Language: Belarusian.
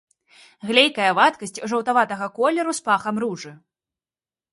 Глейкая вадкасць жаўтаватага колеру з пахам ружы.